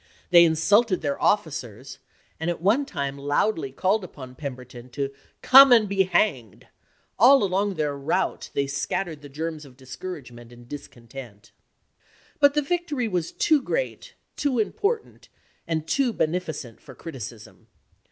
They insulted their officers, and at one time loudly called upon Pem berton to " come and be hanged "; all along their route they scattered the germs of discouragement and discontent. But the victory was too great, too important, and too beneficent for criticism.